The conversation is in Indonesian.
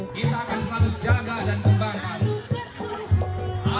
kita akan selalu jaga dan kembali